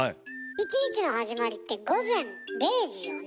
１日の始まりって午前０時よね。